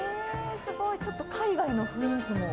すごい、ちょっと海外の雰囲